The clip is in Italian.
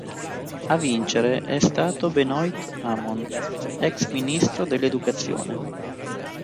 A vincere è stato Benoît Hamon, ex ministro dell'educazione.